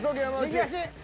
右足。